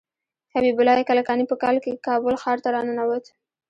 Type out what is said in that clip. حبیب الله کلکاني په کال کې کابل ښار ته راننوت.